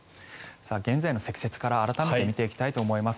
現在の積雪から改めて見ていきたいと思います。